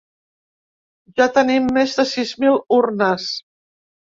Ja tenim més de sis mil urnes.